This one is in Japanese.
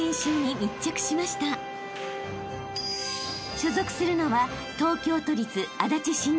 ［所属するのは］